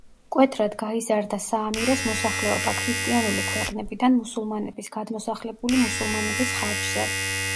მკვეთრად გაიზარდა საამიროს მოსახლეობა, ქრისტიანული ქვეყნებიდან მუსულმანების გადმოსახლებული მუსულმანების ხარჯზე.